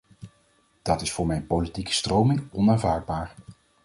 Dat is voor mijn politieke stroming onaanvaardbaar.